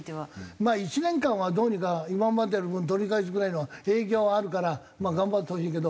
まあ１年間はどうにか今までの分取り返すぐらいの影響はあるからまあ頑張ってほしいけど。